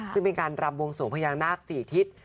ซึ่งเป็นการรำวงสวงพญานาค๔ทิศ